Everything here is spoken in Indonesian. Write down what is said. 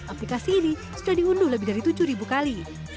aplikasi ini sudah diunduh lebih dari tujuh kali